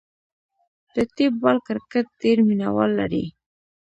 د ټیپ بال کرکټ ډېر مینه وال لري.